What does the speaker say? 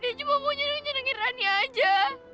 dia cuma punya dengan jenangin rani saja